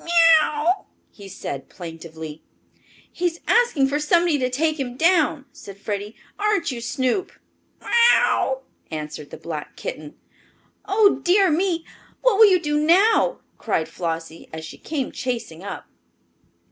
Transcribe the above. meow! meow!" he said plaintively. "He is asking for somebody to take him down," said Freddie. "Aren't you, Snoop?" "Meow!" answered the black kitten. "Oh, dear me, what will you do now?" cried Flossie, as she came chasing up.